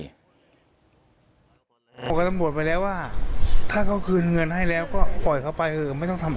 บอกกับตำรวจไปแล้วว่าถ้าเขาคืนเงินให้แล้วก็ปล่อยเขาไปเออไม่ต้องทำ